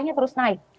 angkanya terus naik